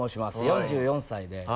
４４歳で。